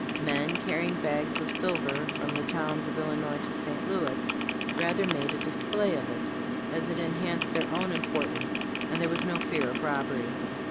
Men carrying bags of silver from the towns of Illinois to St. Louis rather made a display of it, as it enhanced their own importance, and there was no fear of robbery.